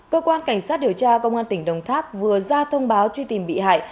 cơ quan cảnh sát điều tra công an tỉnh đồng tháp vừa ra thông báo truy tìm bị hại